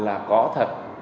là có thật